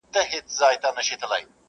هلک مړ سو د دهقان په کور کي غم سو-